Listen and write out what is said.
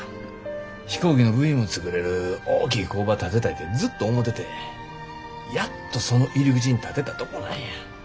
飛行機の部品も作れる大きい工場建てたいてずっと思ててやっとその入り口に立てたとこなんや。